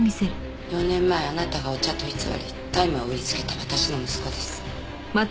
４年前あなたがお茶と偽り大麻を売りつけた私の息子です。